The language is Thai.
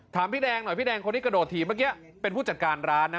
พี่แดงหน่อยพี่แดงคนที่กระโดดถีบเมื่อกี้เป็นผู้จัดการร้านนะ